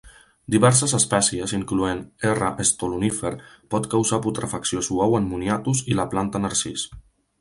Diverses espècies, incloent "R. estolonífer", pot causar putrefacció suau en moniatos i la planta "Narcís".